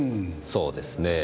そうですねぇ。